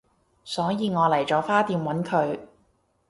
所以我嚟咗花店搵佢